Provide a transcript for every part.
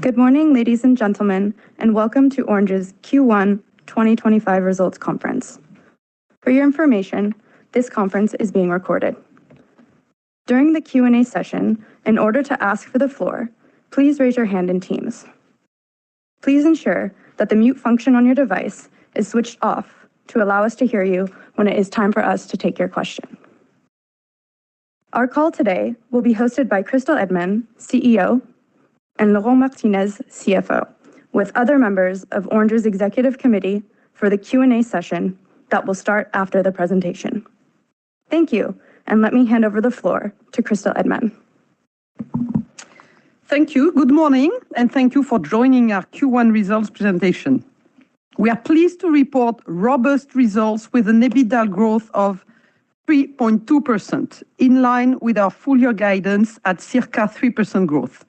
Good morning, ladies and gentlemen, and welcome to Orange's Q1 2025 results conference. For your information, this conference is being recorded. During the Q&A session, in order to ask for the floor, please raise your hand in Teams. Please ensure that the mute function on your device is switched off to allow us to hear you when it is time for us to take your question. Our call today will be hosted by Christel Heydemann, CEO, and Laurent Martinez, CFO, with other members of Orange's Executive Committee for the Q&A session that will start after the presentation. Thank you, and let me hand over the floor to Christel Heydemann. Thank you. Good morning, and thank you for joining our Q1 results presentation. We are pleased to report robust results with an EBITDA growth of 3.2%, in line with our full-year guidance at circa 3% growth.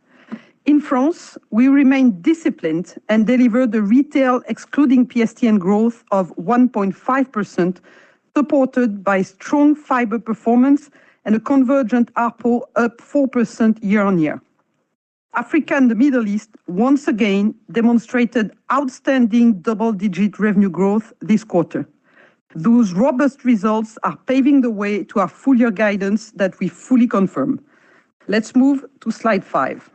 In France, we remain disciplined and delivered a retail excluding PSTN growth of 1.5%, supported by strong fiber performance and a convergent ARPU up 4% year-on-year. Africa and the Middle East once again demonstrated outstanding double-digit revenue growth this quarter. Those robust results are paving the way to our full-year guidance that we fully confirm. Let's move to slide 5.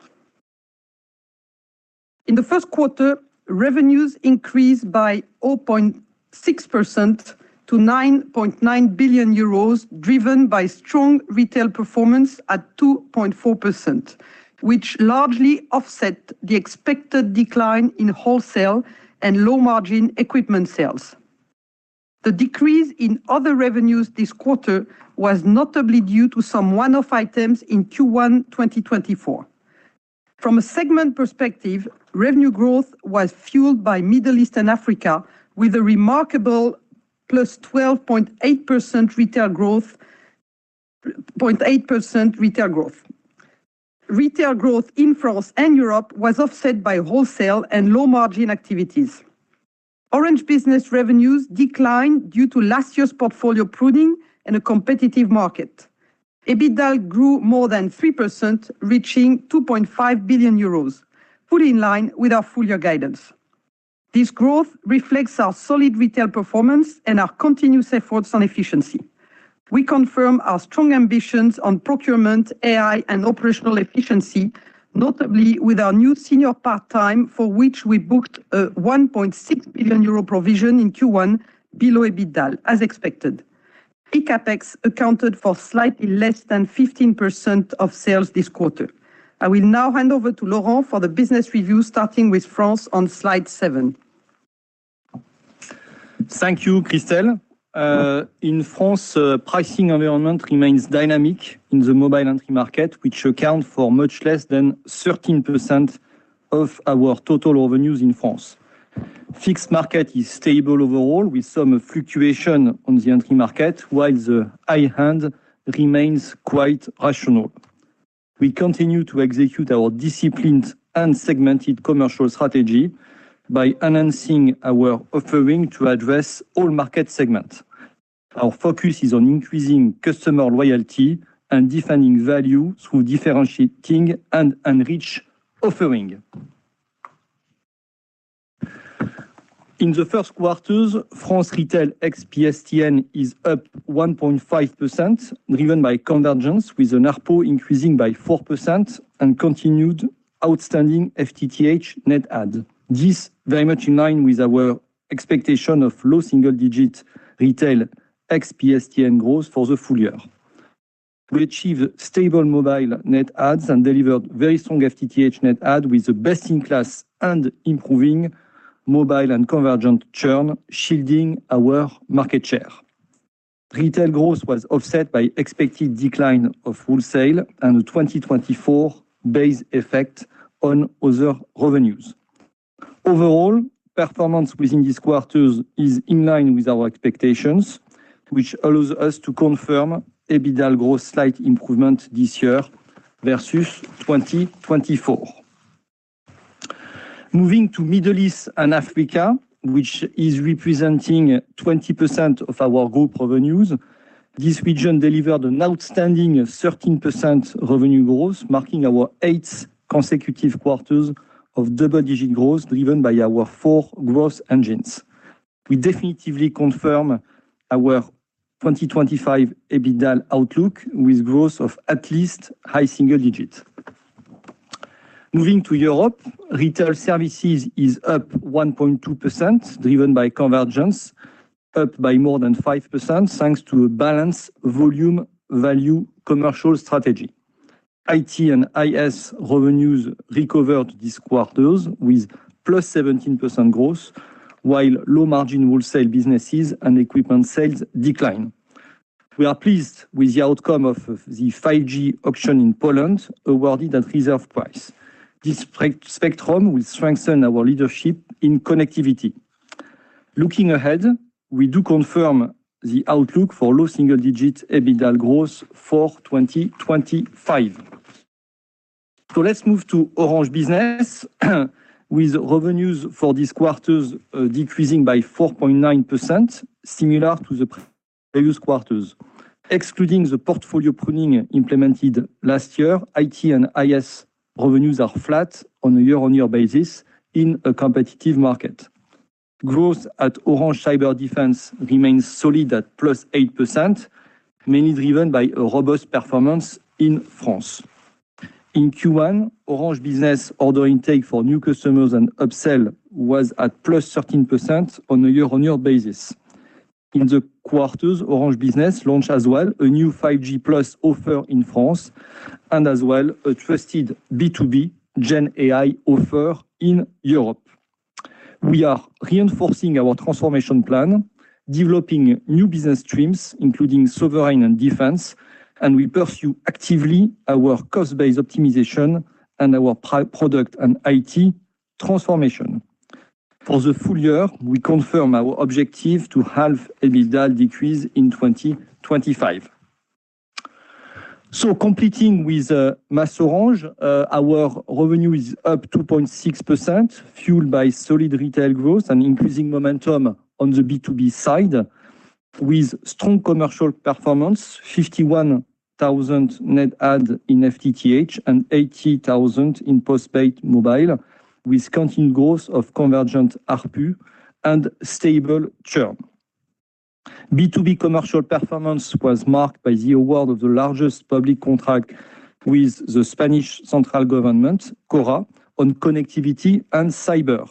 In the first quarter, revenues increased by 0.6% to 9.9 billion euros, driven by strong retail performance at 2.4%, which largely offset the expected decline in wholesale and low-margin equipment sales. The decrease in other revenues this quarter was notably due to some one-off items in Q1 2024. From a segment perspective, revenue growth was fueled by Middle East and Africa, with a remarkable +12.8% retail growth. Retail growth in France and Europe was offset by wholesale and low-margin activities. Orange Business revenues declined due to last year's portfolio pruning and a competitive market. EBITDA grew more than 3%, reaching 2.5 billion euros, fully in line with our full-year guidance. This growth reflects our solid retail performance and our continuous efforts on efficiency. We confirm our strong ambitions on procurement, AI, and operational efficiency, notably with our new senior part-time, for which we booked a 1.6 billion euro provision in Q1 below EBITDA, as expected. eCapEx accounted for slightly less than 15% of sales this quarter. I will now hand over to Laurent for the business review, starting with France on slide seven. Thank you, Christel. In France, pricing environment remains dynamic in the mobile entry market, which accounts for much less than 13% of our total revenues in France. Fixed market is stable overall, with some fluctuation on the entry market, while the high end remains quite rational. We continue to execute our disciplined and segmented commercial strategy by enhancing our offering to address all market segments. Our focus is on increasing customer loyalty and defining value through differentiating and enriched offering. In the first quarters, France retail ex-PSTN is up 1.5%, driven by convergence with an ARPU increasing by 4% and continued outstanding FTTH net adds. This is very much in line with our expectation of low single-digit retail ex-PSTN growth for the full year. We achieved stable mobile net adds and delivered very strong FTTH net adds with the best-in-class and improving mobile and convergent churn, shielding our market share. Retail growth was offset by expected decline of wholesale and the 2024 base effect on other revenues. Overall, performance within this quarter is in line with our expectations, which allows us to confirm EBITDA growth slight improvement this year versus 2024. Moving to Middle East and Africa, which is representing 20% of our group revenues, this region delivered an outstanding 13% revenue growth, marking our eighth consecutive quarters of double-digit growth driven by our four growth engines. We definitively confirm our 2025 EBITDA outlook with growth of at least high single digit. Moving to Europe, retail services is up 1.2%, driven by convergence, up by more than 5% thanks to a balanced volume-value commercial strategy. IT and IS revenues recovered this quarter with +17% growth, while low-margin wholesale businesses and equipment sales declined. We are pleased with the outcome of the 5G auction in Poland, awarded at reserve price. This spectrum will strengthen our leadership in connectivity. Looking ahead, we do confirm the outlook for low single-digit EBITDA growth for 2025. Let's move to Orange Business, with revenues for this quarter decreasing by 4.9%, similar to the previous quarters. Excluding the portfolio pruning implemented last year, IT and IS revenues are flat on a year-on-year basis in a competitive market. Growth at Orange Cyberdefense remains solid at +8%, mainly driven by robust performance in France. In Q1, Orange Business order intake for new customers and upsell was at +13% on a year-on-year basis. In the quarters, Orange Business launched as well a new 5G+ offer in France and as well a trusted B2B Gen AI offer in Europe. We are reinforcing our transformation plan, developing new business streams, including sovereign and defense, and we pursue actively our cost-based optimization and our product and IT transformation. For the full year, we confirm our objective to half EBITDA decrease in 2025. Completing with MasOrange, our revenue is up 2.6%, fueled by solid retail growth and increasing momentum on the B2B side, with strong commercial performance, 51,000 net add in FTTH and 80,000 in postpaid mobile, with continued growth of convergent ARPU and stable churn. B2B commercial performance was marked by the award of the largest public contract with the Spanish central government, CORA, on connectivity and cyber.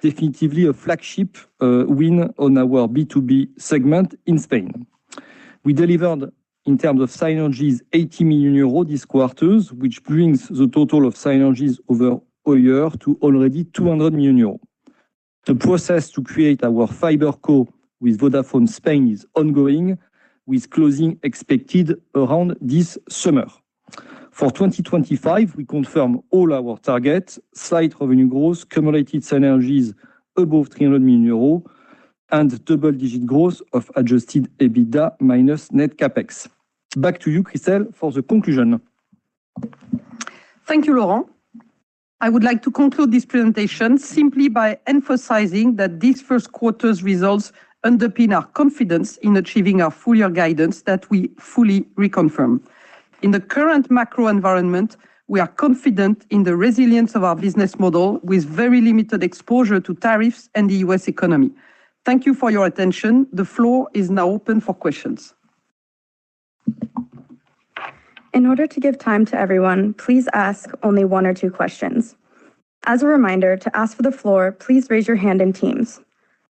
Definitively a flagship win on our B2B segment in Spain. We delivered, in terms of synergies, 80 million euros this quarter, which brings the total of synergies over all year to already 200 million euros. The process to create our fiber core with Vodafone Spain is ongoing, with closing expected around this summer. For 2025, we confirm all our targets: slight revenue growth, cumulated synergies above 300 million euros, and double-digit growth of adjusted EBITDA minus net CapEx. Back to you, Christel, for the conclusion. Thank you, Laurent. I would like to conclude this presentation simply by emphasizing that these first quarter's results underpin our confidence in achieving our full-year guidance that we fully reconfirm. In the current macro environment, we are confident in the resilience of our business model with very limited exposure to tariffs and the U.S. economy. Thank you for your attention. The floor is now open for questions. In order to give time to everyone, please ask only one or two questions. As a reminder, to ask for the floor, please raise your hand in Teams.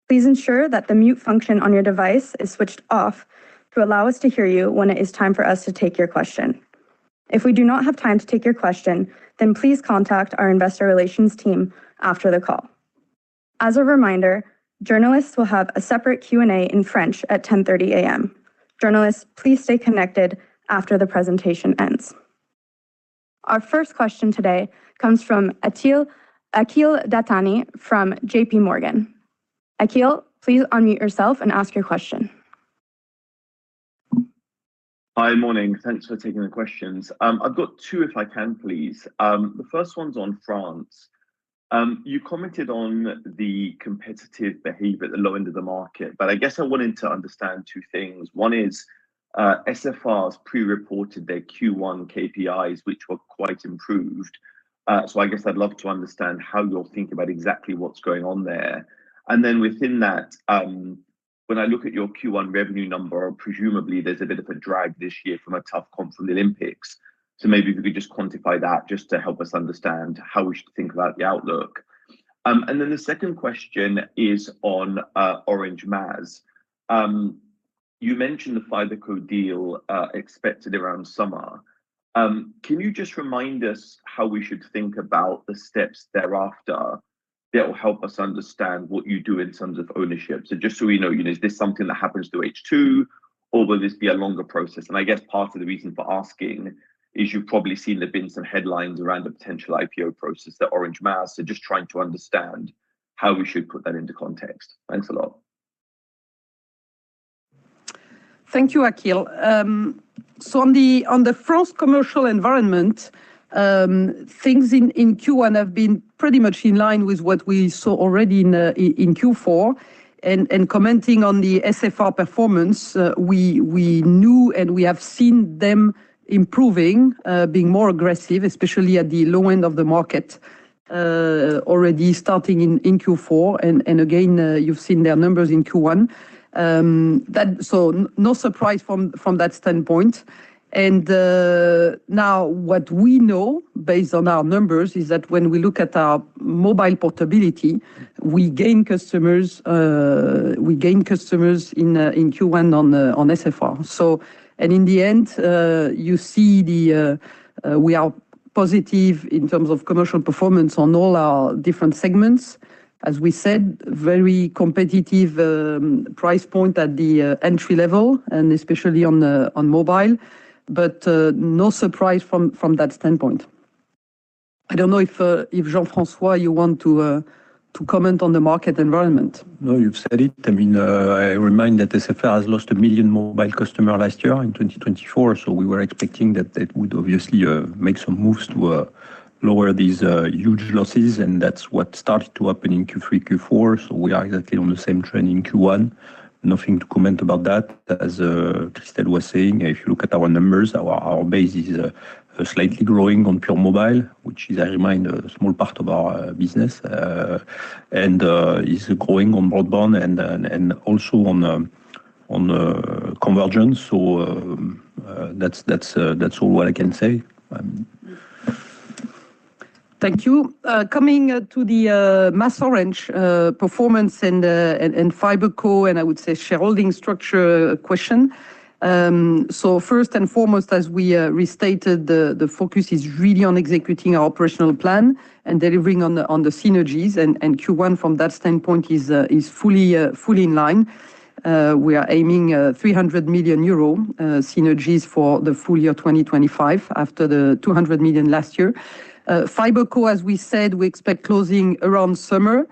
Please ensure that the mute function on your device is switched off to allow us to hear you when it is time for us to take your question. If we do not have time to take your question, then please contact our investor relations team after the call. As a reminder, journalists will have a separate Q&A in French at 10:30 A.M. Journalists, please stay connected after the presentation ends. Our first question today comes from Akhil Dattani from JPMorgan. Akhil, please unmute yourself and ask your question. Hi, morning. Thanks for taking the questions. I've got two, if I can, please. The first one's on France. You commented on the competitive behavior at the low end of the market, but I guess I wanted to understand two things. One is SFR's pre-reported their Q1 KPIs, which were quite improved. I guess I'd love to understand how you're thinking about exactly what's going on there. Within that, when I look at your Q1 revenue number, presumably there's a bit of a drag this year from a tough comp from the Olympics. If you could just quantify that just to help us understand how we should think about the outlook. The second question is on MasOrange. You mentioned the FiberCo deal expected around summer. Can you just remind us how we should think about the steps thereafter that will help us understand what you do in terms of ownership? Just so we know, is this something that happens through H2, or will this be a longer process? I guess part of the reason for asking is you've probably seen there have been some headlines around a potential IPO process at MasOrange. Just trying to understand how we should put that into context. Thanks a lot. Thank you, Akhil. On the France commercial environment, things in Q1 have been pretty much in line with what we saw already in Q4. Commenting on the SFR performance, we knew and we have seen them improving, being more aggressive, especially at the low end of the market, already starting in Q4. You have seen their numbers in Q1. No surprise from that standpoint. What we know, based on our numbers, is that when we look at our mobile portability, we gain customers in Q1 on SFR. In the end, you see we are positive in terms of commercial performance on all our different segments. As we said, very competitive price point at the entry level, especially on mobile. No surprise from that standpoint. I do not know if Jean-François, you want to comment on the market environment. No, you've said it. I mean, I remind that SFR has lost 1 million mobile customers last year in 2024. We were expecting that it would obviously make some moves to lower these huge losses. That is what started to happen in Q3, Q4. We are exactly on the same trend in Q1. Nothing to comment about that, as Christel was saying. If you look at our numbers, our base is slightly growing on pure mobile, which is, I remind, a small part of our business. It is growing on broadband and also on convergence. That is all what I can say. Thank you. Coming to the MasOrange performance and FiberCo, and I would say shareholding structure question. First and foremost, as we restated, the focus is really on executing our operational plan and delivering on the synergies. Q1, from that standpoint, is fully in line. We are aiming 300 million euro synergies for the full year 2025 after the 200 million last year. FiberCo, as we said, we expect closing around summer.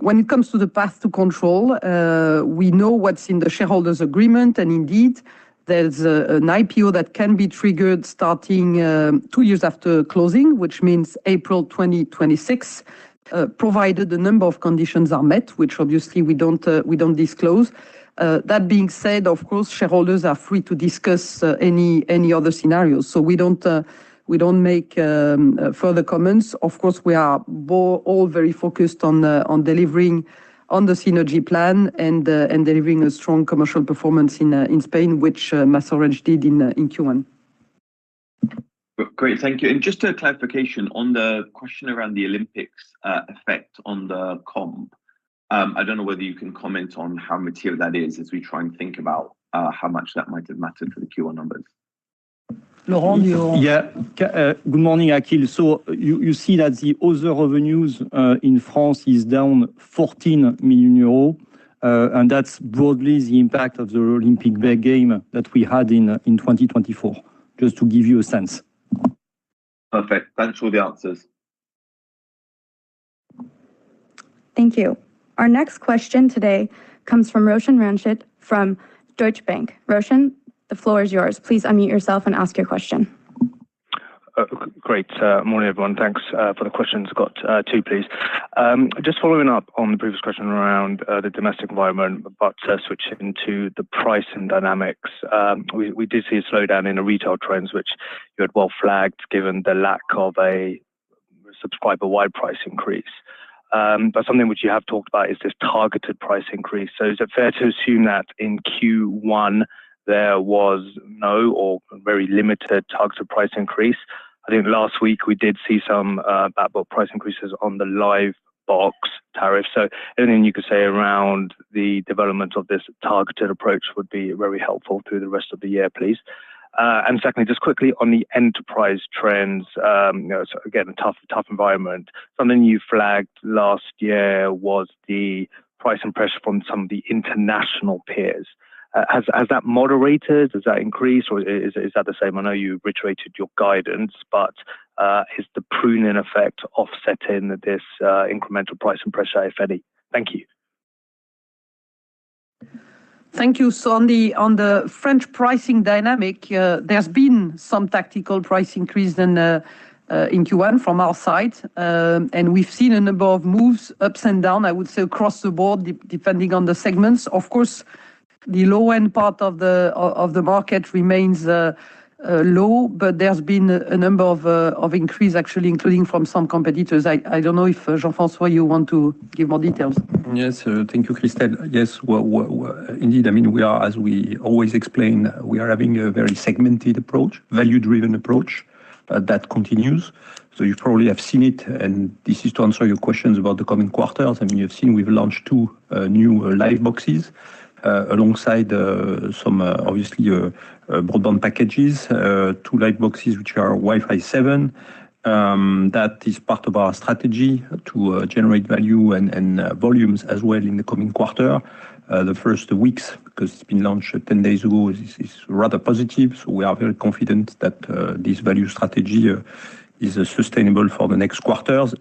When it comes to the path to control, we know what's in the shareholders' agreement. Indeed, there's an IPO that can be triggered starting two years after closing, which means April 2026, provided the number of conditions are met, which obviously we do not disclose. That being said, of course, shareholders are free to discuss any other scenarios. We do not make further comments. Of course, we are all very focused on delivering on the synergy plan and delivering a strong commercial performance in Spain, which MasOrange did in Q1. Great. Thank you. Just a clarification on the question around the Olympics effect on the comp. I do not know whether you can comment on how material that is as we try and think about how much that might have mattered for the Q1 numbers. Laurent, you. Yeah. Good morning, Akhil. You see that the other revenues in France are down 14 million euros. That is broadly the impact of the Olympic big game that we had in 2024, just to give you a sense. Perfect. Thanks for the answers. Thank you. Our next question today comes from Roshan Ranjit from Deutsche Bank. Roshan, the floor is yours. Please unmute yourself and ask your question. Great. Morning, everyone. Thanks for the questions. Got two, please. Just following up on the previous question around the domestic environment, but switching to the pricing dynamics. We did see a slowdown in the retail trends, which you had well flagged given the lack of a subscriber-wide price increase. Something which you have talked about is this targeted price increase. Is it fair to assume that in Q1 there was no or very limited targeted price increase? I think last week we did see some backbone price increases on the Livebox tariff. Anything you could say around the development of this targeted approach would be very helpful through the rest of the year, please. Secondly, just quickly on the enterprise trends. Again, a tough environment. Something you flagged last year was the price and pressure from some of the international peers. Has that moderated? Has that increased? Or is that the same? I know you've reiterated your guidance, but is the pruning effect offsetting this incremental price and pressure, if any? Thank you. Thank you. On the French pricing dynamic, there's been some tactical price increase in Q1 from our side. We've seen a number of moves up and down, I would say, across the board, depending on the segments. Of course, the low-end part of the market remains low, but there's been a number of increases, actually, including from some competitors. I don't know if Jean-François, you want to give more details. Yes. Thank you, Christel. Yes, indeed. I mean, as we always explain, we are having a very segmented approach, value-driven approach that continues. You probably have seen it. This is to answer your questions about the coming quarters. I mean, you have seen we have launched two new Liveboxes alongside some, obviously, broadband packages, two Liveboxes which are Wi-Fi 7. That is part of our strategy to generate value and volumes as well in the coming quarter. The first weeks, because it has been launched 10 days ago, is rather positive. We are very confident that this value strategy is sustainable for the next quarters.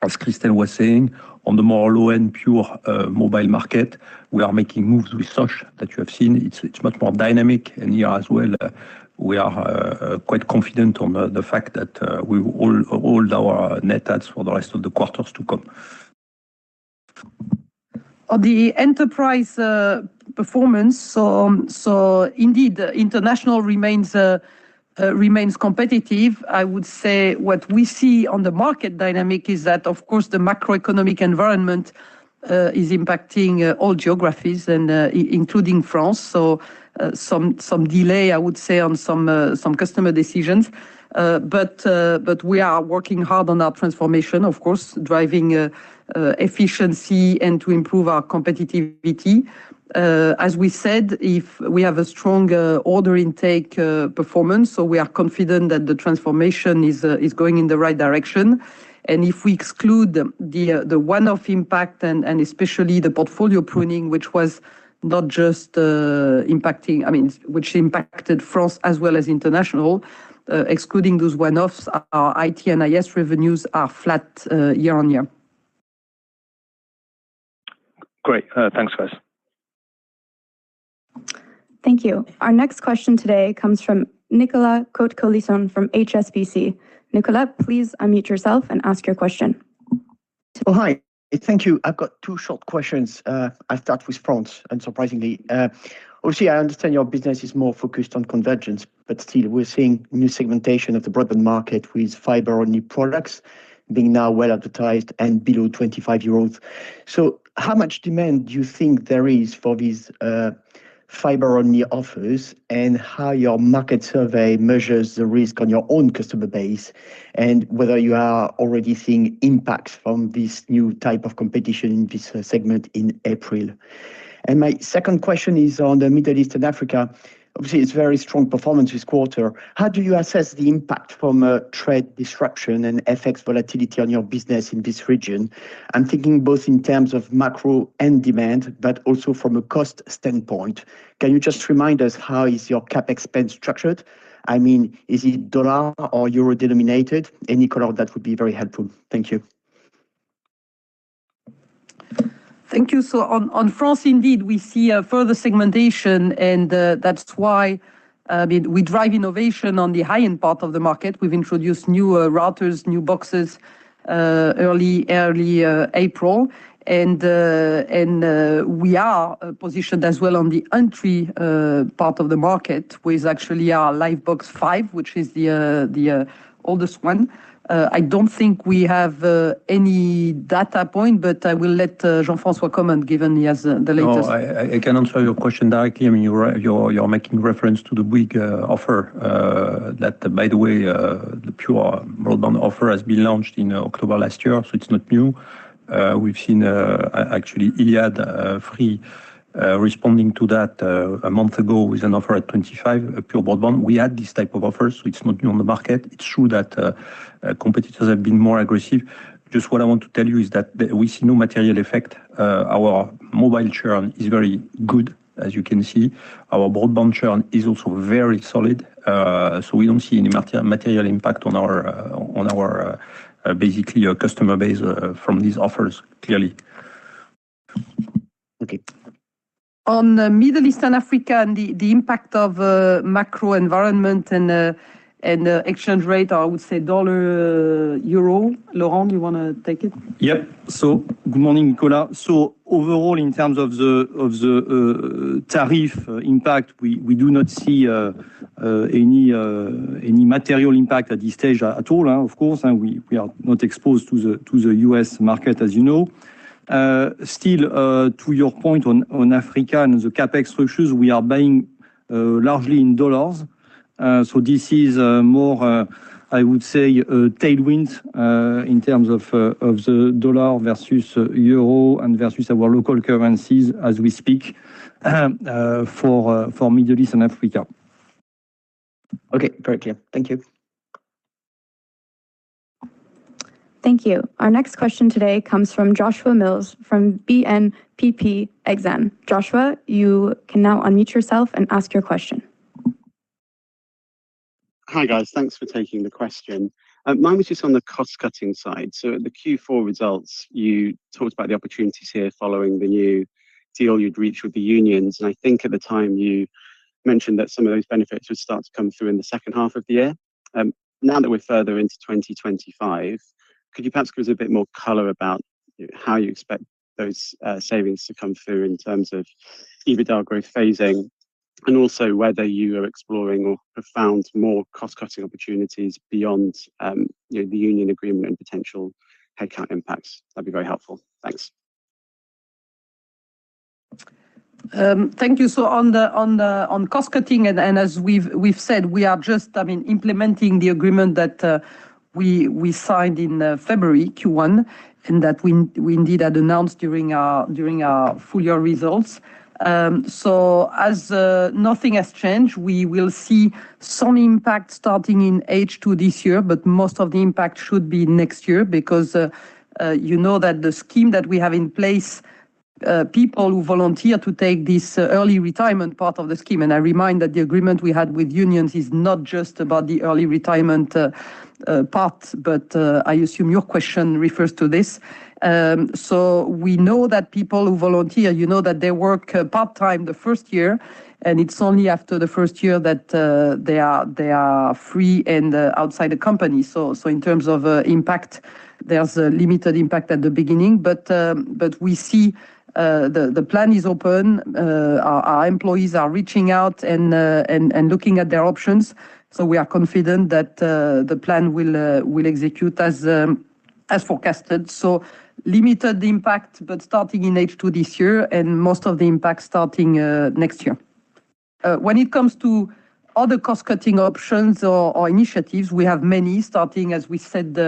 As Christel was saying, on the more low-end pure mobile market, we are making moves with such that you have seen. It is much more dynamic in here as well. We are quite confident on the fact that we will hold our net adds for the rest of the quarters to come. On the enterprise performance, indeed, international remains competitive. I would say what we see on the market dynamic is that, of course, the macroeconomic environment is impacting all geographies, including France. Some delay, I would say, on some customer decisions. We are working hard on our transformation, of course, driving efficiency and to improve our competitivity. As we said, we have a strong order intake performance, so we are confident that the transformation is going in the right direction. If we exclude the one-off impact, and especially the portfolio pruning, which was not just impacting, I mean, which impacted France as well as international, excluding those one-offs, our IT and IS revenues are flat year-on-year. Great. Thanks, guys. Thank you. Our next question today comes from Nicolas Cote-Colisson from HSBC. Nicolas, please unmute yourself and ask your question. Oh, hi. Thank you. I've got two short questions. I'll start with France, unsurprisingly. Obviously, I understand your business is more focused on convergence, but still, we're seeing new segmentation of the broadband market with fiber-only products being now well advertised and below 25-year-olds. How much demand do you think there is for these fiber-only offers and how your market survey measures the risk on your own customer base and whether you are already seeing impacts from this new type of competition in this segment in April? My second question is on the Middle East and Africa. Obviously, it's very strong performance this quarter. How do you assess the impact from trade disruption and FX volatility on your business in this region? I'm thinking both in terms of macro and demand, but also from a cost standpoint. Can you just remind us how is your CapEx structured? I mean, is it dollar or euro denominated? Any color of that would be very helpful. Thank you. Thank you. On France, indeed, we see further segmentation. That is why we drive innovation on the high-end part of the market. We have introduced new routers, new boxes early April. We are positioned as well on the entry part of the market with actually our Livebox 5, which is the oldest one. I do not think we have any data point, but I will let Jean-François comment, given he has the latest. I can answer your question directly. I mean, you're making reference to the big offer that, by the way, the pure broadband offer has been launched in October last year, so it's not new. We've seen actually Iliad Free responding to that a month ago with an offer at 25, pure broadband. We had this type of offer, so it's not new on the market. It's true that competitors have been more aggressive. Just what I want to tell you is that we see no material effect. Our mobile churn is very good, as you can see. Our broadband churn is also very solid. We don't see any material impact on our basically customer base from these offers, clearly. Okay. On the Middle East and Africa, the impact of macro environment and exchange rate, I would say dollar, euro. Laurent, you want to take it? Yep. Good morning, Nicolas. Overall, in terms of the tariff impact, we do not see any material impact at this stage at all, of course. We are not exposed to the U.S. market, as you know. Still, to your point on Africa and the CapEx structures, we are buying largely in dollars. This is more, I would say, tailwind in terms of the dollar versus euro and versus our local currencies as we speak for Middle East and Africa. Okay. Very clear. Thank you. Thank you. Our next question today comes from Joshua Mills from BNP Paribas. Joshua, you can now unmute yourself and ask your question. Hi, guys. Thanks for taking the question. Mine was just on the cost-cutting side. At the Q4 results, you talked about the opportunities here following the new deal you'd reached with the unions. I think at the time you mentioned that some of those benefits would start to come through in the second half of the year. Now that we're further into 2025, could you perhaps give us a bit more color about how you expect those savings to come through in terms of EBITDA growth phasing and also whether you are exploring or have found more cost-cutting opportunities beyond the union agreement and potential headcount impacts? That'd be very helpful. Thanks. Thank you. On cost-cutting, and as we've said, we are just implementing the agreement that we signed in February, Q1, and that we indeed had announced during our full year results. As nothing has changed, we will see some impact starting in H2 this year, but most of the impact should be next year because you know that the scheme that we have in place, people who volunteer to take this early retirement part of the scheme, and I remind that the agreement we had with unions is not just about the early retirement part, but I assume your question refers to this. We know that people who volunteer, you know that they work part-time the first year, and it's only after the first year that they are free and outside the company. In terms of impact, there is a limited impact at the beginning, but we see the plan is open. Our employees are reaching out and looking at their options. We are confident that the plan will execute as forecasted. Limited impact, but starting in H2 this year and most of the impact starting next year. When it comes to other cost-cutting options or initiatives, we have many, starting, as we said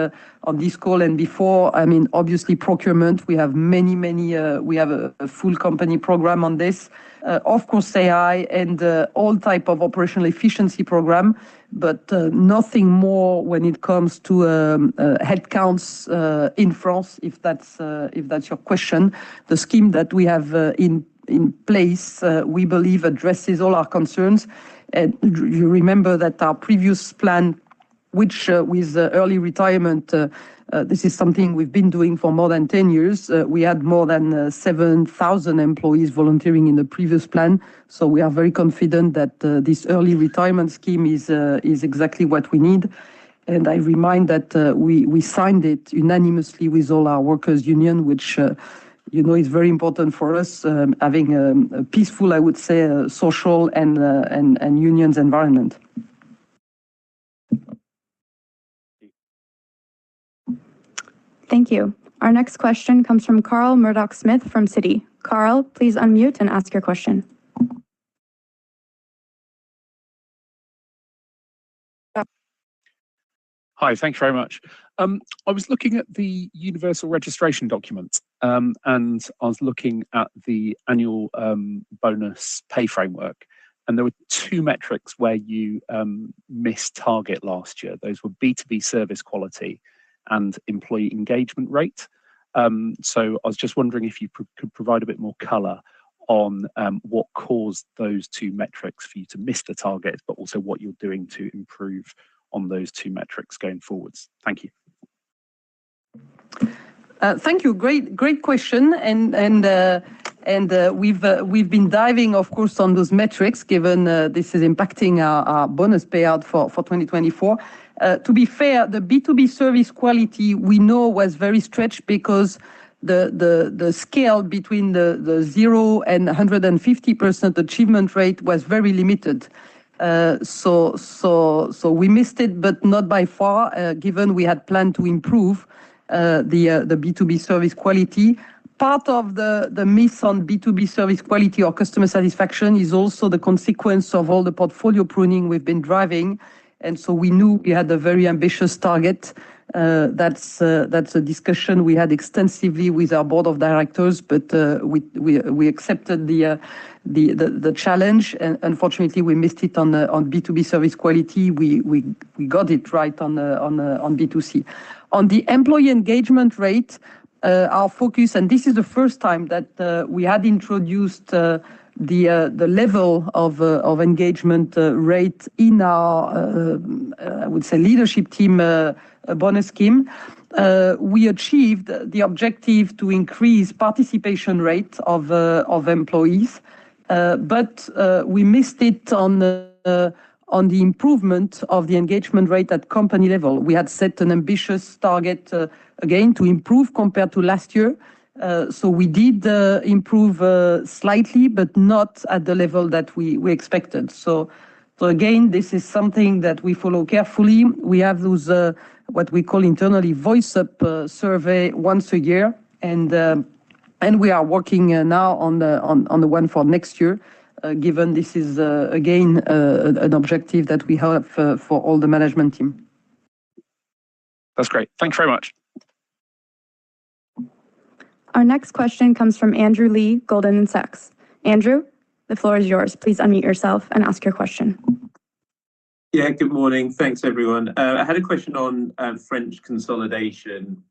on this call and before. I mean, obviously, procurement, we have many, many. We have a full company program on this. Of course, AI and all types of operational efficiency program, but nothing more when it comes to headcounts in France, if that is your question. The scheme that we have in place, we believe, addresses all our concerns. You remember that our previous plan, which was early retirement, this is something we've been doing for more than 10 years. We had more than 7,000 employees volunteering in the previous plan. We are very confident that this early retirement scheme is exactly what we need. I remind that we signed it unanimously with all our workers' union, which is very important for us, having a peaceful, I would say, social and unions environment. Thank you. Our next question comes from Carl Murdock-Smith from Citi. Carl, please unmute and ask your question. Hi. Thanks very much. I was looking at the universal registration document, and I was looking at the annual bonus pay framework. There were two metrics where you missed target last year. Those were B2B service quality and employee engagement rate. I was just wondering if you could provide a bit more color on what caused those two metrics for you to miss the target, but also what you're doing to improve on those two metrics going forward. Thank you. Thank you. Great question. We've been diving, of course, on those metrics given this is impacting our bonus payout for 2024. To be fair, the B2B service quality, we know, was very stretched because the scale between the 0%-150% achievement rate was very limited. We missed it, but not by far, given we had planned to improve the B2B service quality. Part of the miss on B2B service quality or customer satisfaction is also the consequence of all the portfolio pruning we've been driving. We knew we had a very ambitious target. That's a discussion we had extensively with our board of directors, but we accepted the challenge. Unfortunately, we missed it on B2B service quality. We got it right on B2C. On the employee engagement rate, our focus, and this is the first time that we had introduced the level of engagement rate in our, I would say, leadership team bonus scheme. We achieved the objective to increase participation rate of employees, but we missed it on the improvement of the engagement rate at company level. We had set an ambitious target again to improve compared to last year. We did improve slightly, but not at the level that we expected. This is something that we follow carefully. We have those what we call internally voice-up survey once a year. We are working now on the one for next year, given this is again an objective that we have for all the management team. That's great. Thanks very much. Our next question comes from Andrew Lee, Goldman Sachs. Andrew, the floor is yours. Please unmute yourself and ask your question. Yeah, good morning. Thanks, everyone. I had a question on French consolidation.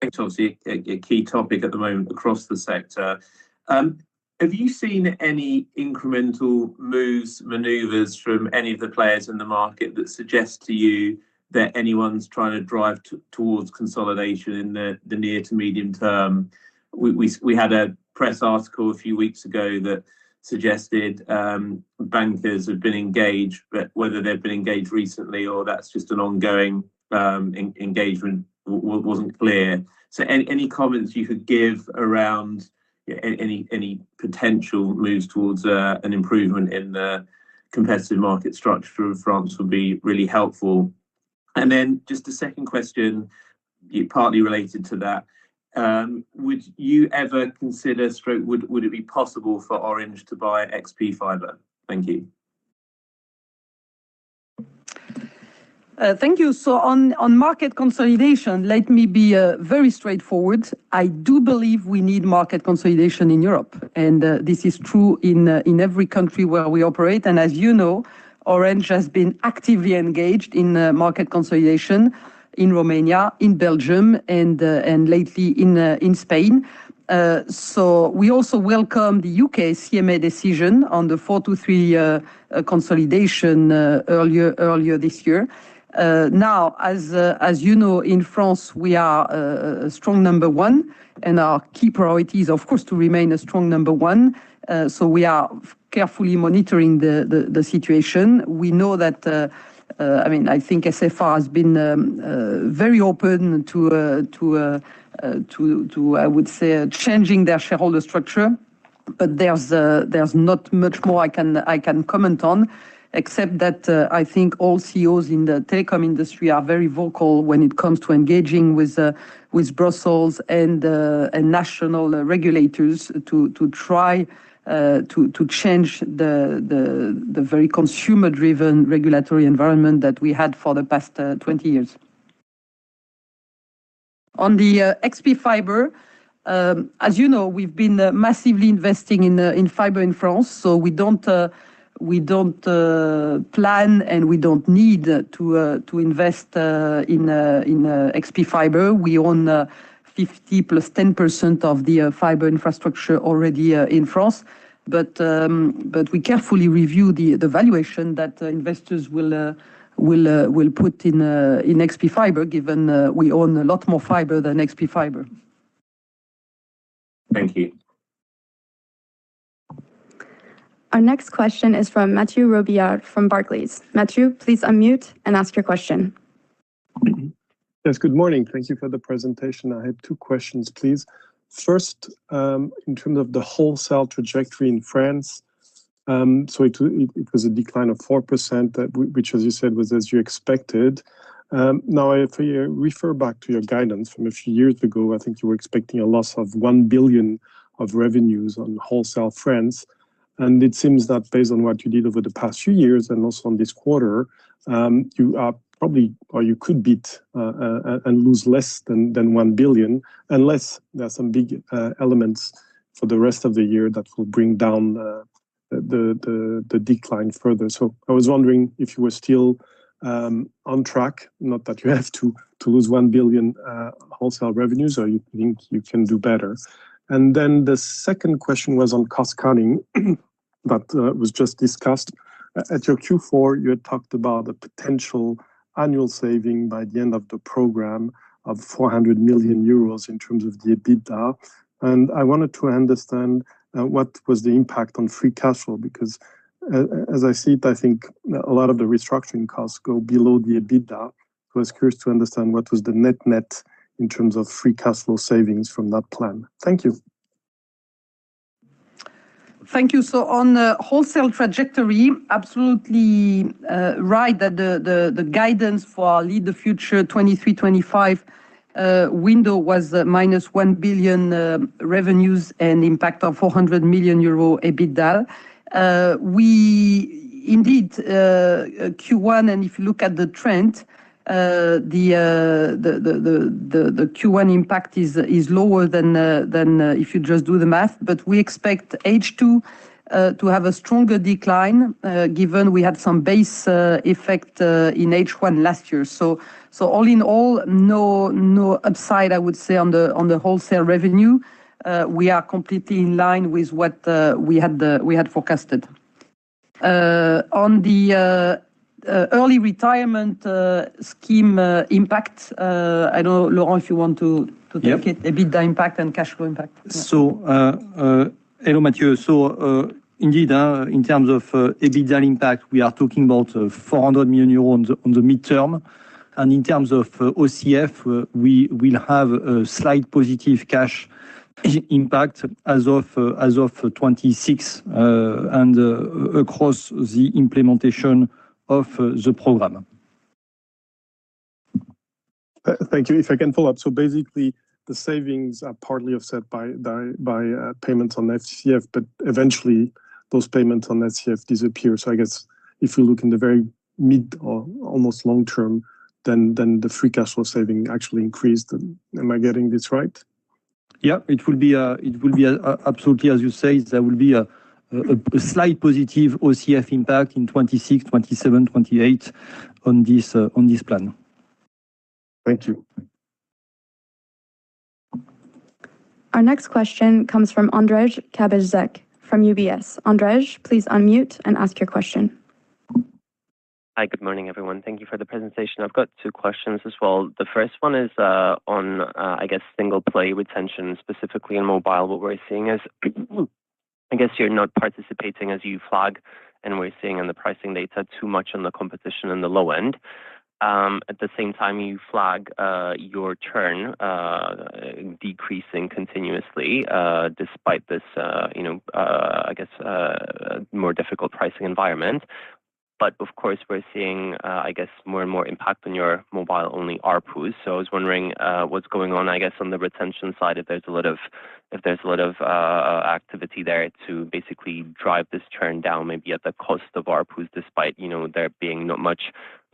Thanks, obviously. A key topic at the moment across the sector. Have you seen any incremental moves, maneuvers from any of the players in the market that suggest to you that anyone's trying to drive towards consolidation in the near to medium-term? We had a press article a few weeks ago that suggested bankers have been engaged, but whether they've been engaged recently or that's just an ongoing engagement wasn't clear. Any comments you could give around any potential moves towards an improvement in the competitive market structure of France would be really helpful. Just a second question, partly related to that. Would you ever consider, would it be possible for Orange to buy XpFibre? Thank you. Thank you. On market consolidation, let me be very straightforward. I do believe we need market consolidation in Europe. This is true in every country where we operate. As you know, Orange has been actively engaged in market consolidation in Romania, in Belgium, and lately in Spain. We also welcome the U.K. CMA decision on the 4-to-3 consolidation earlier this year. As you know, in France, we are a strong number one, and our key priority is, of course, to remain a strong number one. We are carefully monitoring the situation. We know that, I mean, I think SFR has been very open to, I would say, changing their shareholder structure. There is not much more I can comment on, except that I think all CEOs in the telecom industry are very vocal when it comes to engaging with Brussels and national regulators to try to change the very consumer-driven regulatory environment that we have had for the past 20 years. On the XpFibre, as you know, we have been massively investing in fiber in France. We do not plan and we do not need to invest in XpFibre. We own 50 plus 10% of the fiber infrastructure already in France. We carefully review the valuation that investors will put in XpFibre, given we own a lot more fiber than XpFibre. Thank you. Our next question is from Mathieu Robilliard from Barclays. Mathieu, please unmute and ask your question. Yes, good morning. Thank you for the presentation. I have two questions, please. First, in terms of the wholesale trajectory in France, it was a decline of 4%, which, as you said, was as you expected. Now, if you refer back to your guidance from a few years ago, I think you were expecting a loss of 1 billion of revenues on wholesale France. It seems that based on what you did over the past few years and also in this quarter, you are probably, or you could beat and lose less than 1 billion. Unless there are some big elements for the rest of the year that will bring down the decline further. I was wondering if you were still on track, not that you have to lose 1 billion wholesale revenues, or you think you can do better. The second question was on cost-cutting that was just discussed. At your Q4, you had talked about a potential annual saving by the end of the program of 400 million euros in terms of the EBITDA. I wanted to understand what was the impact on free cash flow because, as I see it, I think a lot of the restructuring costs go below the EBITDA. I was curious to understand what was the net-net in terms of free cash flow savings from that plan. Thank you. Thank you. On the wholesale trajectory, absolutely right that the guidance for Lead the Future 2023-2025 window was minus 1 billion revenues and impact of 400 million euro EBITDA. Indeed, Q1, and if you look at the trend, the Q1 impact is lower than if you just do the math, but we expect H2 to have a stronger decline given we had some base effect in H1 last year. All in all, no upside, I would say, on the wholesale revenue. We are completely in line with what we had forecasted. On the early retirement scheme impact, I do not know, Laurent, if you want to take it, EBITDA impact and cash flow impact. Hello, Matthieu. Indeed, in terms of EBITDA impact, we are talking about 400 million euros on the midterm. In terms of OCF, we will have a slight positive cash impact as of 2026 and across the implementation of the program. Thank you. If I can follow up, basically, the savings are partly offset by payments on SCF, but eventually, those payments on SCF disappear. I guess if we look in the very mid or almost long-term, then the free cash flow saving actually increased. Am I getting this right? Yeah, it will be absolutely, as you say, there will be a slight positive OCF impact in 2026, 2027, 2028 on this plan. Thank you. Our next question comes from Andrzej [Kończyk] from UBS. Andrzej, please unmute and ask your question. Hi, good morning, everyone. Thank you for the presentation. I've got two questions as well. The first one is on, I guess, single-play retention, specifically in mobile. What we're seeing is, I guess you're not participating as you flag, and we're seeing in the pricing data too much on the competition in the low end. At the same time, you flag your churn decreasing continuously despite this, I guess, more difficult pricing environment. Of course, we're seeing, I guess, more and more impact on your mobile-only ARPUs. I was wondering what's going on, I guess, on the retention side if there's a lot of activity there to basically drive this churn down, maybe at the cost of ARPUs despite there being not much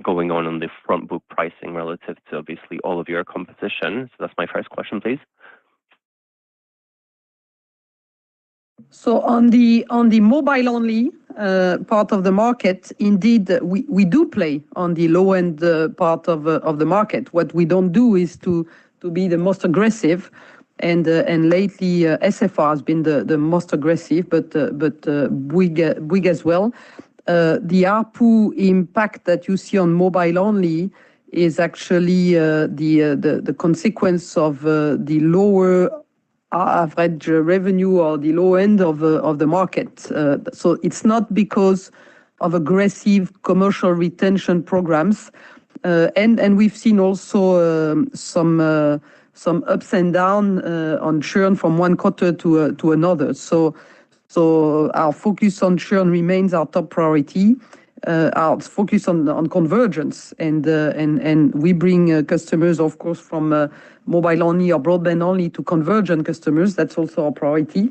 going on on the front-book pricing relative to, obviously, all of your competition. That's my first question, please. On the mobile-only part of the market, indeed, we do play on the low-end part of the market. What we do not do is to be the most aggressive. Lately, SFR has been the most aggressive, but Bouygues as well. The ARPU impact that you see on mobile-only is actually the consequence of the lower average revenue or the low end of the market. It is not because of aggressive commercial retention programs. We have seen also some ups and downs on churn from one quarter to another. Our focus on churn remains our top priority. Our focus on convergence. We bring customers, of course, from mobile-only or broadband-only to convergent customers. That is also our priority.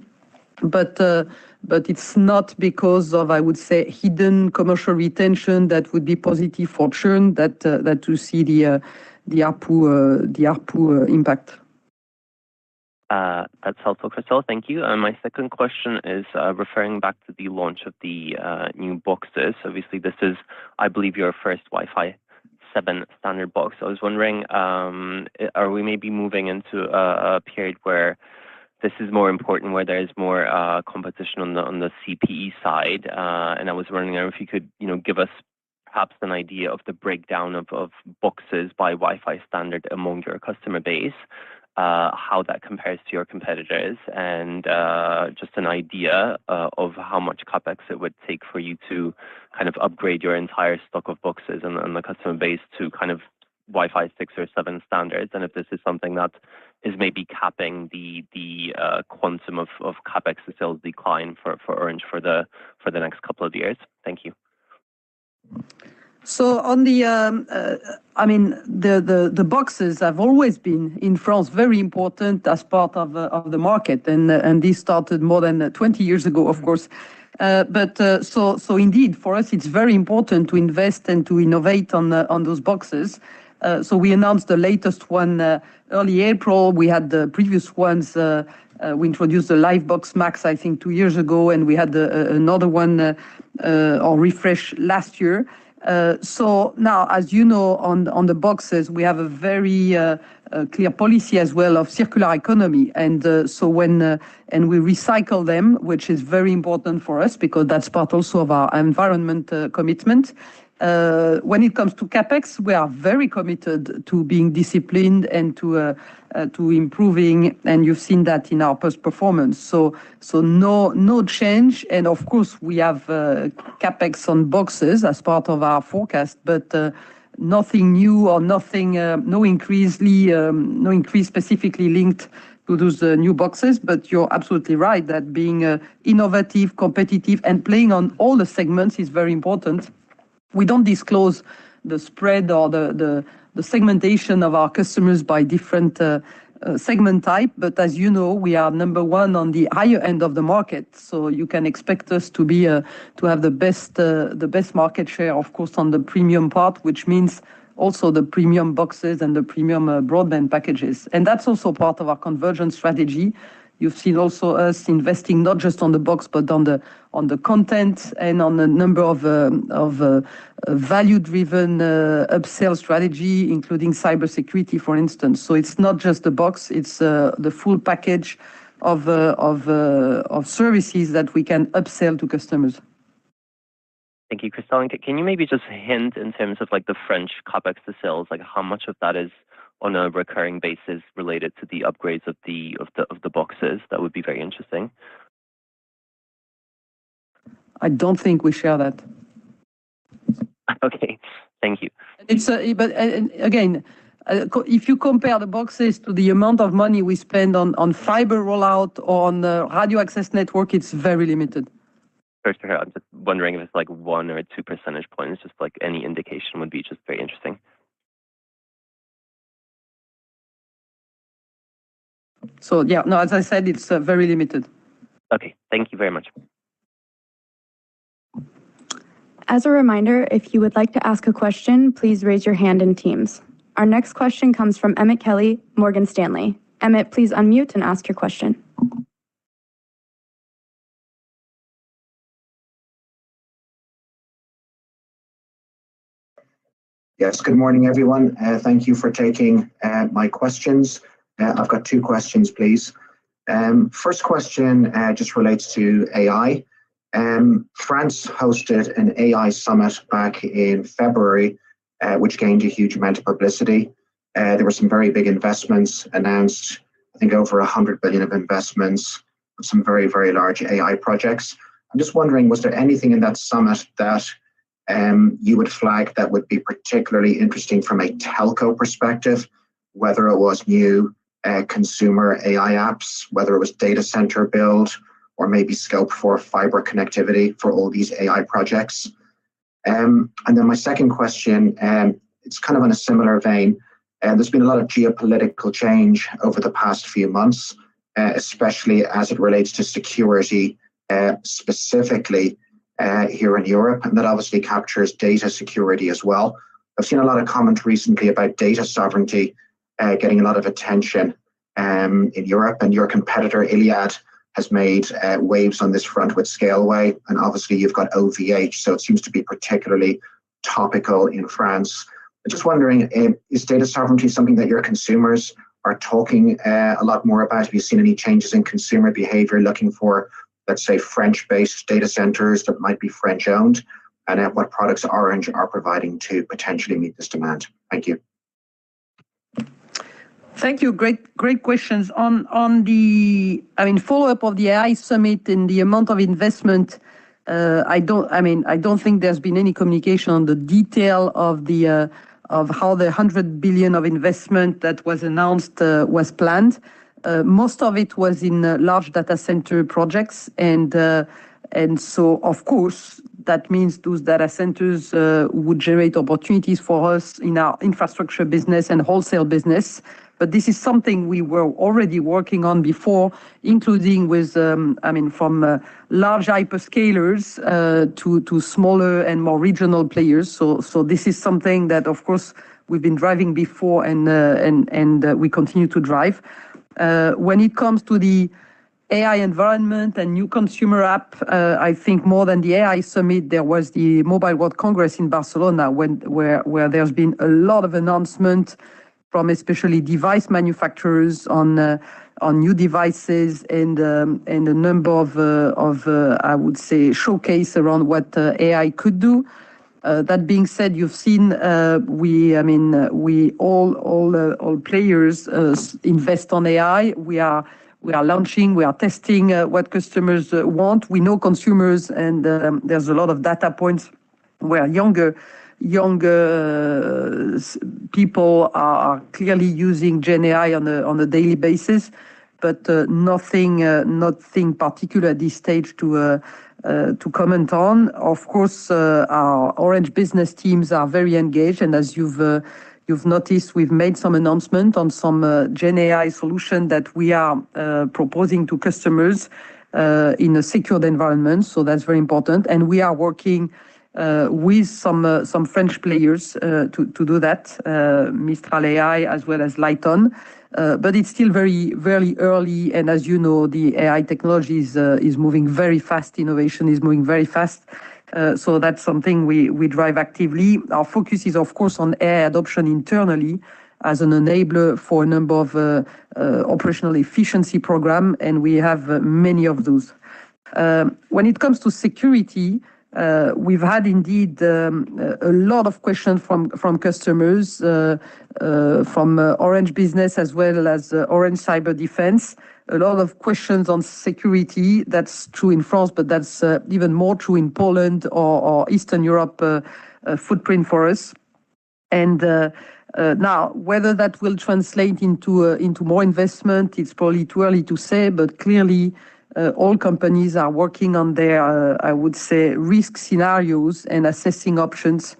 It is not because of, I would say, hidden commercial retention that would be positive for churn that you see the ARPU impact. That's helpful, Christel. Thank you. My second question is referring back to the launch of the new boxes. Obviously, this is, I believe, your first Wi-Fi 7 standard box. I was wondering, are we maybe moving into a period where this is more important, where there is more competition on the CPE side? I was wondering if you could give us perhaps an idea of the breakdown of boxes by Wi-Fi standard among your customer base, how that compares to your competitors, and just an idea of how much CapEx it would take for you to kind of upgrade your entire stock of boxes and the customer base to kind of Wi-Fi 6 or 7 standards. If this is something that is maybe capping the quantum of CapEx sales decline for Orange for the next couple of years. Thank you. On the boxes, I mean, the boxes have always been in France very important as part of the market. This started more than 20 years ago, of course. Indeed, for us, it is very important to invest and to innovate on those boxes. We announced the latest one early April. We had the previous ones. We introduced the Livebox Max, I think, two years ago, and we had another one or refreshed last year. Now, as you know, on the boxes, we have a very clear policy as well of circular economy. When we recycle them, which is very important for us because that is part also of our environment commitment. When it comes to CapEx, we are very committed to being disciplined and to improving, and you have seen that in our post-performance. No change. Of course, we have CapEx on boxes as part of our forecast, but nothing new or no increase specifically linked to those new boxes. You're absolutely right that being innovative, competitive, and playing on all the segments is very important. We don't disclose the spread or the segmentation of our customers by different segment type, but as you know, we are number one on the higher end of the market. You can expect us to have the best market share, of course, on the premium part, which means also the premium boxes and the premium broadband packages. That's also part of our convergence strategy. You've seen also us investing not just on the box, but on the content and on the number of value-driven upsale strategy, including cybersecurity, for instance. It's not just the box. It's the full package of services that we can upsell to customers. Thank you, Christel. Can you maybe just hint in terms of the French CapEx to sales, how much of that is on a recurring basis related to the upgrades of the boxes? That would be very interesting. I don't think we share that. Okay. Thank you. If you compare the boxes to the amount of money we spend on fiber rollout or on radio access network, it's very limited. Sorry to interrupt. I'm just wondering if it's like one or two percentage points. Just like any indication would be just very interesting. Yeah, no, as I said, it's very limited. Okay. Thank you very much. As a reminder, if you would like to ask a question, please raise your hand in Teams. Our next question comes from Emmet Kelly, Morgan Stanley. Emmett, please unmute and ask your question. Yes, good morning, everyone. Thank you for taking my questions. I've got two questions, please. First question just relates to AI. France hosted an AI summit back in February, which gained a huge amount of publicity. There were some very big investments announced, I think over 100 billion of investments with some very, very large AI projects. I'm just wondering, was there anything in that summit that you would flag that would be particularly interesting from a telco perspective, whether it was new consumer AI apps, whether it was data center build, or maybe scope for fiber connectivity for all these AI projects? My second question, it's kind of in a similar vein. There's been a lot of geopolitical change over the past few months, especially as it relates to security specifically here in Europe, and that obviously captures data security as well. I've seen a lot of comment recently about data sovereignty getting a lot of attention in Europe, and your competitor, Iliad, has made waves on this front with Scaleway, and obviously, you've got OVH. It seems to be particularly topical in France. I'm just wondering, is data sovereignty something that your consumers are talking a lot more about? Have you seen any changes in consumer behavior looking for, let's say, French-based data centers that might be French-owned? What products is Orange providing to potentially meet this demand? Thank you. Thank you. Great questions. On the, I mean, follow-up of the AI summit and the amount of investment, I mean, I don't think there's been any communication on the detail of how the 100 billion of investment that was announced was planned. Most of it was in large data center projects. Of course, that means those data centers would generate opportunities for us in our infrastructure business and wholesale business. This is something we were already working on before, including with, I mean, from large hyperscalers to smaller and more regional players. This is something that, of course, we've been driving before and we continue to drive. When it comes to the AI environment and new consumer app, I think more than the AI summit, there was the Mobile World Congress in Barcelona where there's been a lot of announcements from especially device manufacturers on new devices and a number of, I would say, showcases around what AI could do. That being said, you've seen we, I mean, we all players invest on AI. We are launching. We are testing what customers want. We know consumers, and there's a lot of data points where younger people are clearly using Gen AI on a daily basis, but nothing particular at this stage to comment on. Of course, our Orange business teams are very engaged. As you've noticed, we've made some announcements on some Gen AI solutions that we are proposing to customers in a secured environment. That's very important. We are working with some French players to do that, Mistral AI, as well as LightOn. It is still very early. As you know, the AI technology is moving very fast. Innovation is moving very fast. That is something we drive actively. Our focus is, of course, on AI adoption internally as an enabler for a number of operational efficiency programs, and we have many of those. When it comes to security, we have had indeed a lot of questions from customers, from Orange Business Services as well as Orange Cyberdefense. A lot of questions on security. That is true in France, but that is even more true in Poland or the Eastern Europe footprint for us. Whether that will translate into more investment, it is probably too early to say, but clearly, all companies are working on their, I would say, risk scenarios and assessing options.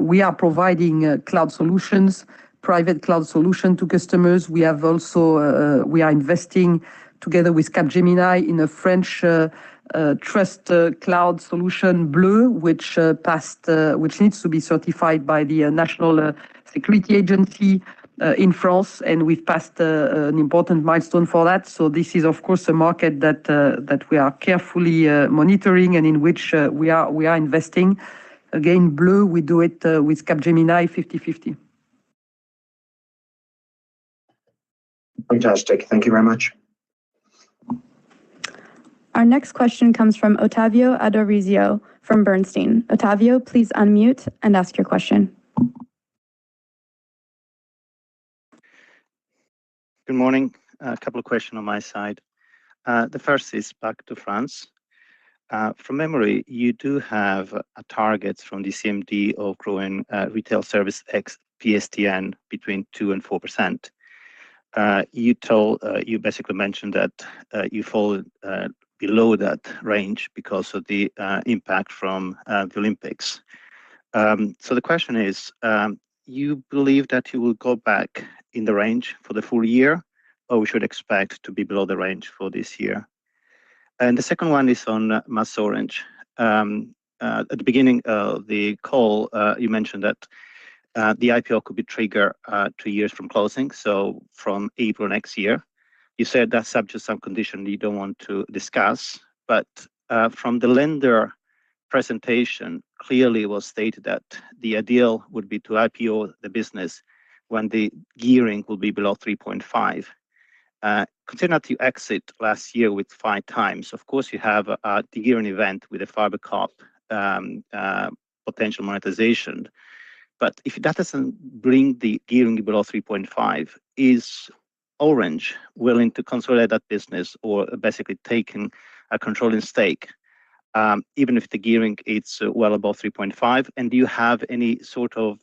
We are providing cloud solutions, private cloud solutions to customers. We are investing together with Capgemini in a French trust cloud solution, Bleu, which needs to be certified by the National Security Agency in France. We have passed an important milestone for that. This is, of course, a market that we are carefully monitoring and in which we are investing. Again, Bleu, we do it with Capgemini 50/50. Fantastic. Thank you very much. Our next question comes from Ottavio Adorisio from Bernstein. Ottavio, please unmute and ask your question. Good morning. A couple of questions on my side. The first is back to France. From memory, you do have targets from the CMD of growing retail service ex-PSTN between 2%-4%. You basically mentioned that you fall below that range because of the impact from the Olympics. The question is, you believe that you will go back in the range for the full year or we should expect to be below the range for this year? The second one is on MasOrange. At the beginning of the call, you mentioned that the IPO could be triggered two years from closing, so from April next year. You said that's subject to some condition you don't want to discuss. From the lender presentation, clearly it was stated that the ideal would be to IPO the business when the gearing will be below 3.5. Continue to exit last year with five times. Of course, you have the gearing event with a fiber cop potential monetization. If that does not bring the gearing below 3.5, is Orange willing to consolidate that business or basically take a controlling stake, even if the gearing is well above 3.5? Do you have any sort of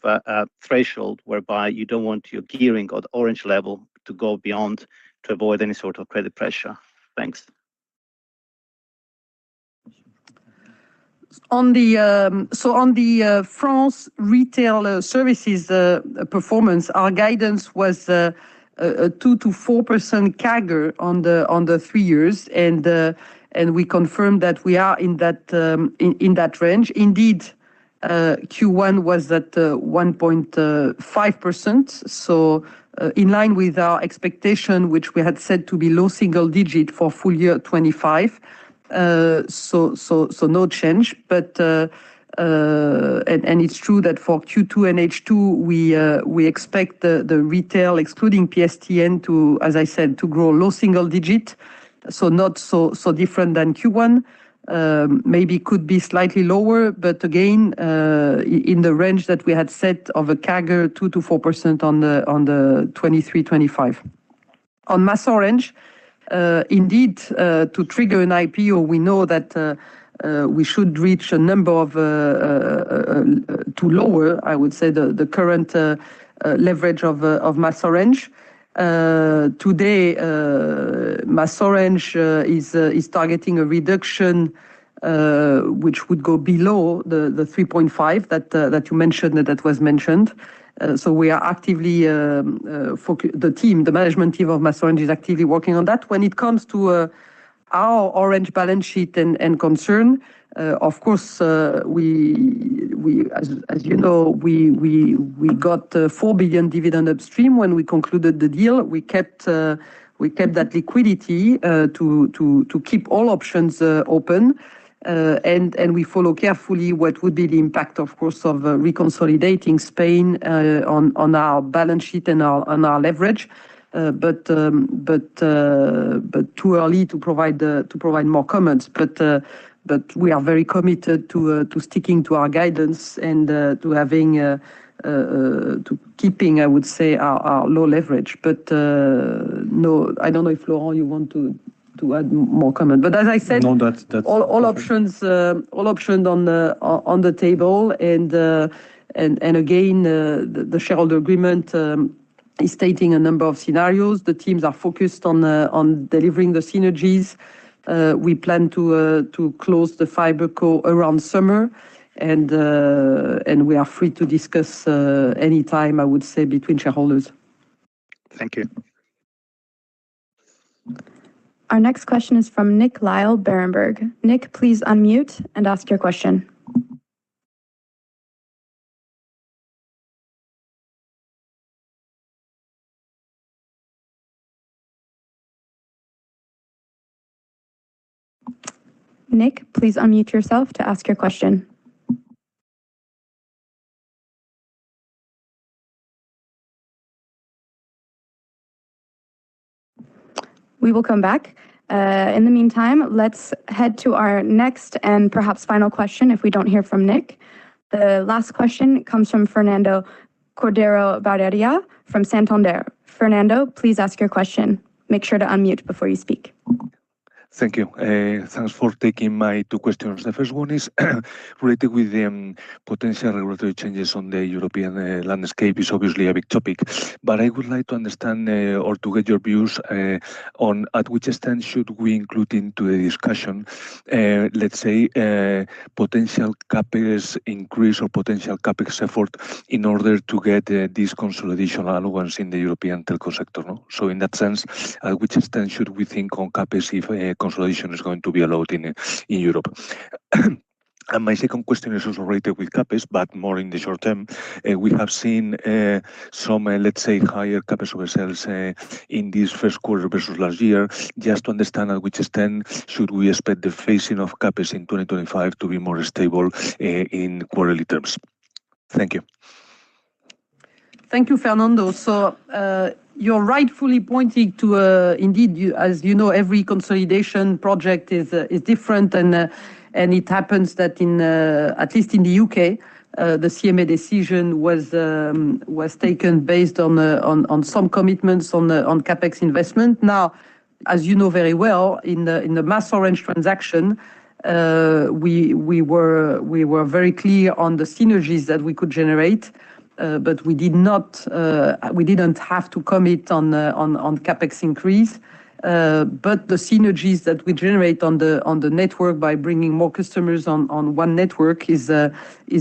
threshold whereby you do not want your gearing or the Orange level to go beyond to avoid any sort of credit pressure? Thanks. On the France retail services performance, our guidance was a 2%-4% CAGR on the three years, and we confirmed that we are in that range. Indeed, Q1 was at 1.5%. In line with our expectation, which we had said to be low single-digit for full year 2025. No change. It is true that for Q2 and H2, we expect the retail, excluding PSTN, as I said, to grow low single-digit. Not so different than Q1. Maybe could be slightly lower, but again, in the range that we had set of a CAGR 2%-4% on the 2023-2025. On MasOrange, indeed, to trigger an IPO, we know that we should reach a number to lower, I would say, the current leverage of MasOrange. Today, MasOrange is targeting a reduction which would go below the 3.5 that you mentioned that was mentioned. We are actively, the team, the management team of MasOrange is actively working on that. When it comes to our Orange balance sheet and concern, of course, as you know, we got 4 billion dividend upstream when we concluded the deal. We kept that liquidity to keep all options open. We follow carefully what would be the impact, of course, of reconsolidating Spain on our balance sheet and on our leverage. It is too early to provide more comments. We are very committed to sticking to our guidance and to keeping, I would say, our low leverage. I do not know if Laurent, you want to add more comment. As I said, all options on the table. The shareholder agreement is stating a number of scenarios. The teams are focused on delivering the synergies. We plan to close the fiber co around summer, and we are free to discuss anytime, I would say, between shareholders. Thank you. Our next question is from Nick Lyall from Berenberg. Nick, please unmute and ask your question. Nick, please unmute yourself to ask your question. We will come back. In the meantime, let's head to our next and perhaps final question if we don't hear from Nick. The last question comes from Fernando Cordero Barreira from Santander. Fernando, please ask your question. Make sure to unmute before you speak. Thank you. Thanks for taking my two questions. The first one is related with the potential regulatory changes on the European landscape. It's obviously a big topic. I would like to understand or to get your views on at which extent should we include into the discussion, let's say, potential CapEx increase or potential CapEx effort in order to get this consolidation allowance in the European telco sector. In that sense, at which extent should we think on CapEx if consolidation is going to be allowed in Europe? My second question is also related with CapEx, but more in the short term. We have seen some, let's say, higher CapEx over sales in this first quarter versus last year. Just to understand at which extent should we expect the phasing of CapEx in 2025 to be more stable in quarterly terms? Thank you. Thank you, Fernando. You're rightfully pointing to, indeed, as you know, every consolidation project is different. It happens that, at least in the U.K., the CMA decision was taken based on some commitments on CapEx investment. Now, as you know very well, in the MasOrange transaction, we were very clear on the synergies that we could generate, but we didn't have to commit on CapEx increase. The synergies that we generate on the network by bringing more customers on one network is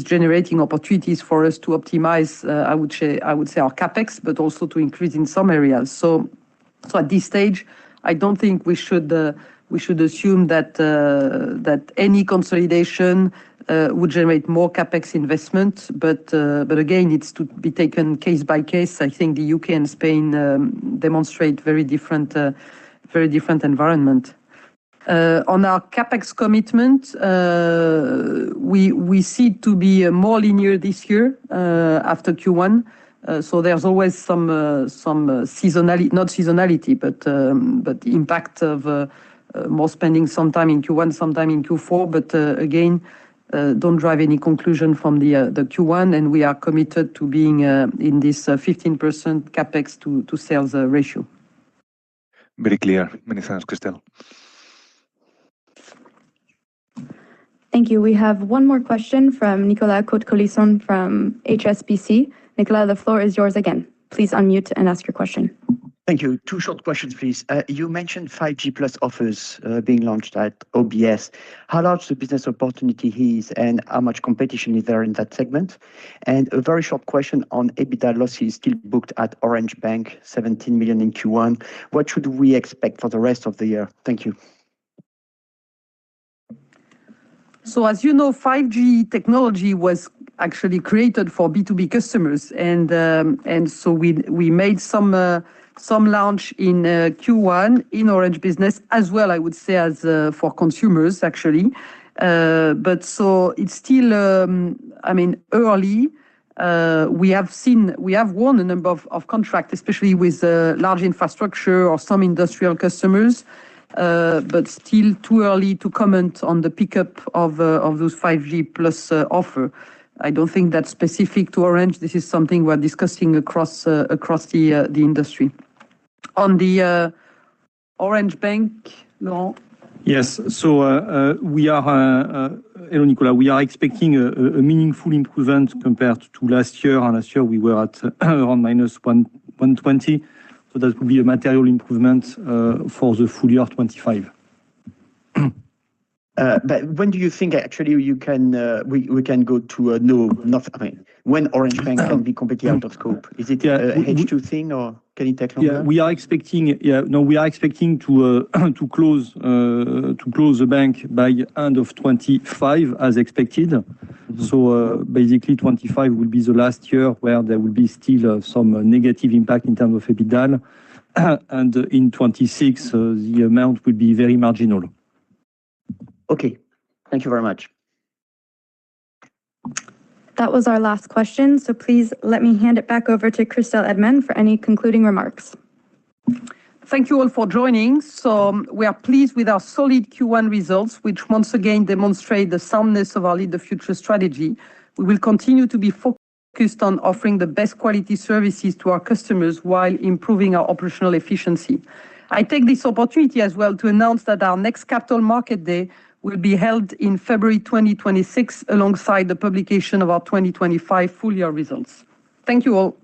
generating opportunities for us to optimize, I would say, our CapEx, but also to increase in some areas. At this stage, I don't think we should assume that any consolidation would generate more CapEx investment. Again, it's to be taken case by case. I think the U.K. and Spain demonstrate a very different environment. On our CapEx commitment, we see it to be more linear this year after Q1. There is always some seasonality, not seasonality, but the impact of more spending sometime in Q1, sometime in Q4. Again, do not drive any conclusion from the Q1. We are committed to being in this 15% CapEx to sales ratio. Very clear. Many thanks, Christel. Thank you. We have one more question from Nicolas Cote-Colisson from HSBC. Nicola, the floor is yours again. Please unmute and ask your question. Thank you. Two short questions, please. You mentioned 5G Plus offers being launched at OBS. How large the business opportunity is and how much competition is there in that segment? A very short question on EBITDA losses still booked at Orange Bank, 17 million in Q1. What should we expect for the rest of the year? Thank you. As you know, 5G technology was actually created for B2B customers. We made some launch in Q1 in Orange Business as well, I would say, as for consumers, actually. It is still, I mean, early. We have won a number of contracts, especially with large infrastructure or some industrial customers, but still too early to comment on the pickup of those 5G Plus offers. I do not think that is specific to Orange. This is something we are discussing across the industry. On the Orange Bank, Laurent? Yes. We are, hello Nicolas, we are expecting a meaningful improvement compared to last year. Last year, we were at around minus 120. That would be a material improvement for the full year 2025. When do you think actually we can go to a no? I mean, when Orange Bank can be completely out of scope? Is it a H2 thing or can it take longer? Yeah. We are expecting to close the bank by end of 2025 as expected. Basically, 2025 would be the last year where there would be still some negative impact in terms of EBITDA. In 2026, the amount would be very marginal. Okay. Thank you very much. That was our last question. Please let me hand it back over to Christel Heydemann for any concluding remarks. Thank you all for joining. We are pleased with our solid Q1 results, which once again demonstrate the soundness of our Lead the Future strategy. We will continue to be focused on offering the best quality services to our customers while improving our operational efficiency. I take this opportunity as well to announce that our next Capital Market Day will be held in February 2026 alongside the publication of our 2025 full year results. Thank you all.